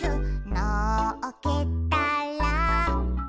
「のっけたら」